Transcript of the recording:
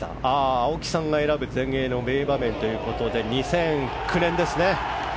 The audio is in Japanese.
青木さんが選ぶ全英の名場面ということで２００９年ですね。